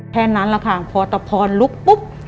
แค่นั้นแหละค่ะพอตะพรลุกปุ๊บ